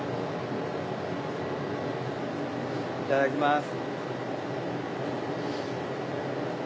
いただきます。